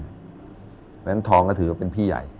เพราะฉะนั้นทองก็ถือว่าเป็นพี่ใหญ่